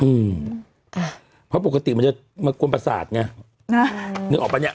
อืมค่ะเพราะปกติมันจะมากวนประสาทไงนะนึกออกปะเนี้ย